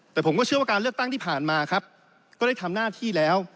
แต่ผมก็เชื่อว่าการเลือกตั้งที่ผ่านมาครับก็ได้ทำหน้าที่แล้ว